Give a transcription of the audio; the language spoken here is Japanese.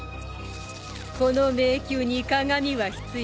この迷宮に鏡は必要ない。